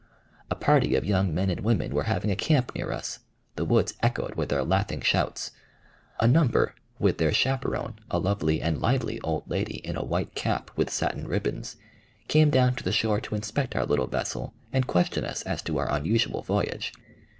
A party of young men and women were having a camp near us. The woods echoed with their laughing shouts. A number, with their chaperone, a lovely and lively old lady, in a white cap with satin ribbons, came down to the shore to inspect our little vessel and question us as to our unusual voyage.